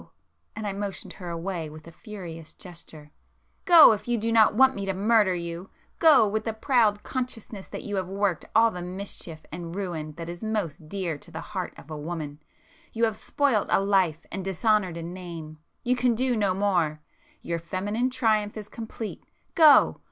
—and I motioned her away with a furious gesture—"Go, if you do not want me to murder you! Go, with the proud consciousness that you have worked all the mischief and ruin that is most dear to the heart of a woman,—you have spoilt a life and dishonoured a name,—you can do no more,—your feminine triumph is complete! Go!